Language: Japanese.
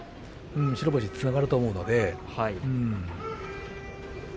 白星につながると思うので。